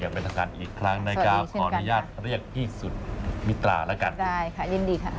เป็นทางการอีกครั้งนะครับขออนุญาตเรียกพี่สุดมิตราแล้วกันได้ค่ะยินดีค่ะ